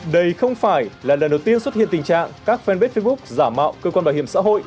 đây không phải là lần đầu tiên xuất hiện tình trạng các fanpage facebook giả mạo cơ quan bảo hiểm xã hội